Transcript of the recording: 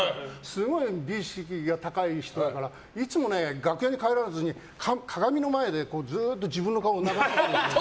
すごい美意識が高い人だからいつも楽屋に帰らずに鏡の前で、ずっと自分の顔を眺めてて。